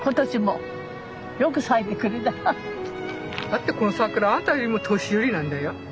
だってこの桜あんたよりも年寄りなんだよ。